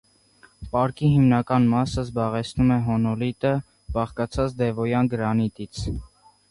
Պարկի հիմնական մասը զբաղեցնում է հոնոլիտը՝ բաղկացած դևոյան գրանիտից։